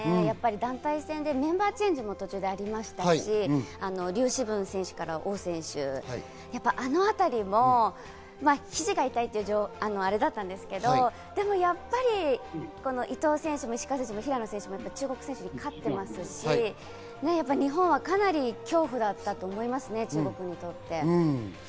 団体戦で途中メンバーチェンジもありましたし、リュウ・シブン選手からオウ選手へ、あのあたりもひじが痛いというアレだったんですけど、でもやっぱり、伊藤選手、石川選手、平野選手も中国選手に勝ってますし、日本はかなり恐怖だったと思いますね、中国にとって。